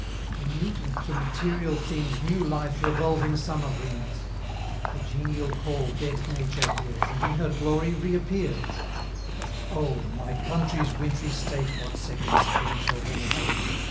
To mute and to material things New life revolving summer brings; The genial call dead Nature hears, 55 And in her glory reappears. But oh! my Country's wintry state What second spring shall renovate?